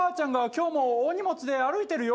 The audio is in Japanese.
「今日も大荷物で歩いてるよ」